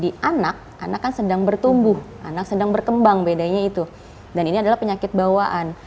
di anak anak kan sedang bertumbuh anak sedang berkembang bedanya itu dan ini adalah penyakit bawaan